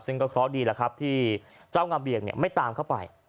ซึ่งก็เคราะห์ดีแล้วครับที่เจ้างามเบี่ยงไม่ตามเข้าไป